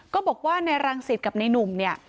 ก็บอกว่าในรังศิษย์กับในนุ่มเนี่ย